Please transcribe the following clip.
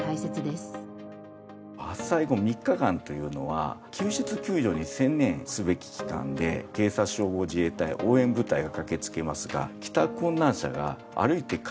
発災後３日間というのは救出救助に専念すべき期間で警察消防自衛隊応援部隊が駆け付けますが。